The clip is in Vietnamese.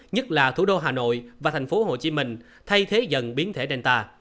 nhất là thủ đô hà nội và thành phố hồ chí minh thay thế dần biến thể danta